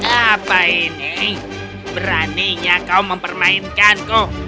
apa ini beraninya kau mempermainkanku